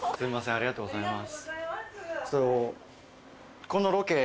ありがとうございます。